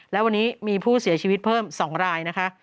และวันนี้มีผู้เสียชีวิตเพิ่ม๒รายนะคะ